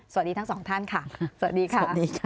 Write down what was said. สวัสดีทั้งสองท่านค่ะสวัสดีค่ะ